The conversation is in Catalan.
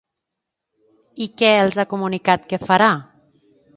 I què els ha comunicat que farà?